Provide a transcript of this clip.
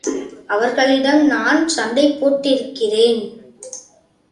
அவர்களிடம் நான் சண்டைபோட்டிருக்கிறேன்.